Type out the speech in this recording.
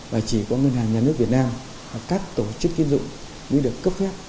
và chỉ có ngân hàng nhà nước việt nam và các tổ chức kinh dụng mới được cấp phép